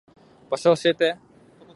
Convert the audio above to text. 場所教えて。